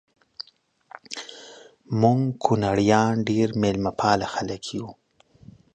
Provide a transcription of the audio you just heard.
مونږ کونړیان ډیر میلمه پاله خلک یو